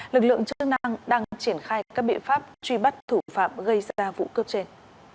lực lượng chức năng đang triển khai các biện pháp truy bắt thủ phạm gây ra vụ cướp trên